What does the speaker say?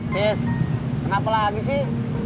tis kenapa lagi sih